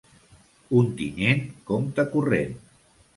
Ontinyent, compte corrent.